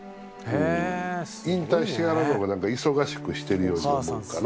うん引退してからの方が忙しくしてるように思うから。